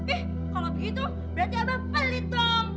eh kalau begitu berarti abah pelit tom